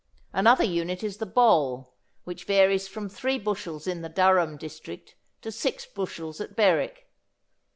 Another unit is the boll, which varies from three bushels in the Durham district to six bushels at Berwick.